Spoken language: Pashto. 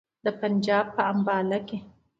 د پنجاب په امباله کې.